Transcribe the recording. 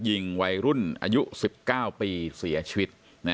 ยิงวัยรุ่นอายุ๑๙ปีเสียชีวิต